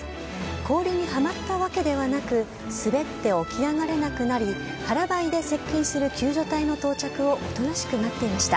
氷にはまったわけではなく、滑って起き上がれなくなり、腹ばいで接近する救助隊の到着を、おとなしく待っていました。